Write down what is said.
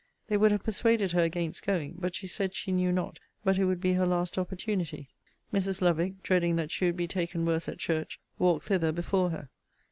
They would have persuaded her against going; but she said she knew not but it would be her last opportunity. Mrs. Lovick, dreading that she would be taken worse at church, walked thither before her.